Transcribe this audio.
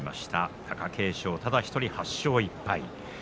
貴景勝ただ１人、８勝１敗です。